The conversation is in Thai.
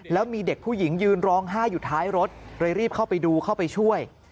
แล้วมีเด็กผู้หญิงยืนร้องไห้อยู่ท้ายรถเลยรีบเข้าไปดูเข้าไปช่วย